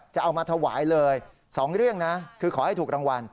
จะเอามาถวายเลย๒เรื่องนะคือขอให้ถูกรางวัล